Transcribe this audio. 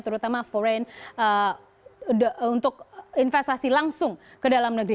terutama foreign untuk investasi langsung ke dalam negeri